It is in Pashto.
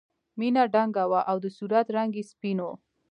مینه دنګه وه او د صورت رنګ یې سپین و